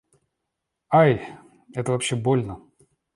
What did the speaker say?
Ай! Это вообще-то больно!